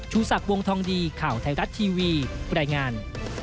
ศักดิ์วงทองดีข่าวไทยรัฐทีวีรายงาน